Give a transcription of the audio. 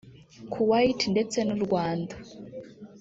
Kuwait ndetse n’u Rwanda